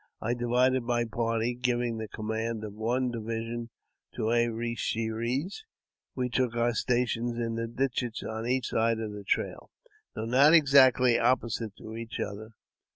I divided ra party, giving the command of one division to A re she rej We took our stations in the ditches on each side the trai though not exactly opposite to each other.